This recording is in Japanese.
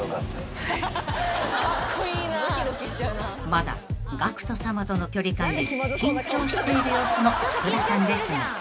［まだＧＡＣＫＴさまとの距離感に緊張している様子の福田さんですが］